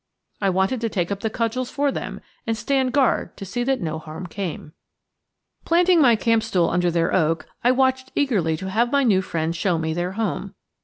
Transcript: I wanted to take up the cudgels for them and stand guard to see that no harm came. Planting my camp stool under their oak, I watched eagerly to have my new friends show me their home.